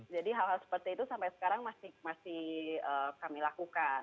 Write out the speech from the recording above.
jadi hal hal seperti itu sampai sekarang masih kami lakukan